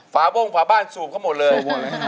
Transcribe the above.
ฟ้าวงฟ้าบ้านสูบเข้าหมดเลย